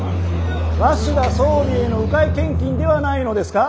鷲田総理への迂回献金ではないのですか？